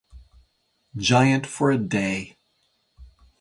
Giant for a Day!